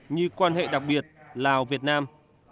như quan hệ đặc biệt lào việt nam